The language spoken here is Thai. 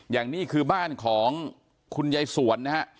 อย่างนี้คือบ้านของคุณยายสวนนะฮะ